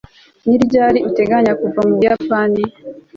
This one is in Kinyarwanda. ni ryari uteganya kuva mu buyapani